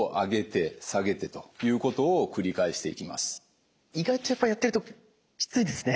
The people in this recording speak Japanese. その次に意外とやっぱりやってるときついですね。